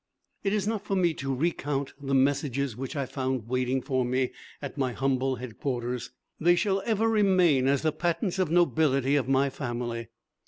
It is not for me to recount the messages which I found waiting for me at my humble headquarters. They shall ever remain as the patents of nobility of my family.